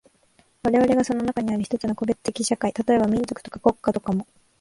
我々がその中にある一つの個別的社会、例えば民族とか国家とかも、